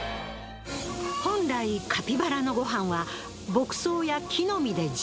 本来カピバラのご飯は牧草や木の実で十分。